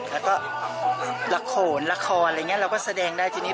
แล้วก็ละโขนละครอะไรอย่างนี้เราก็แสดงได้ทีนี้